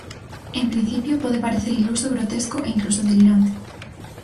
En principio pode parecer iluso, grotesco e, incluso delirante.